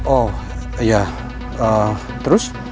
oh ya terus